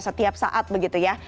setiap saat begitu ya